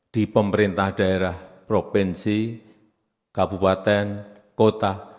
di pemerintah daerah provinsi kabupaten kota